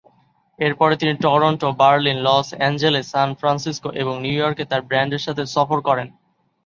এরপরে তিনি Toronto, Berlin, Los Angeles, San Francisco এবং নিউ ইয়র্কে তাঁর ব্যান্ডের সাথে সফর করেন।